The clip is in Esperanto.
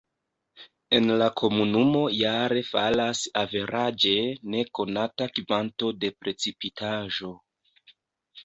En la komunumo jare falas averaĝe ne konata kvanto de precipitaĵo.